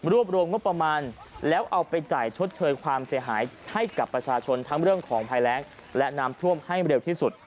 รวมงบประมาณแล้วเอาไปจ่ายชดเชยความเสียหายให้กับประชาชนทั้งเรื่องของภัยแรงและน้ำท่วมให้เร็วที่สุด